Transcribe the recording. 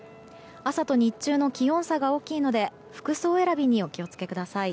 朝と日中の気温差が大きいので服装選びにお気を付けください。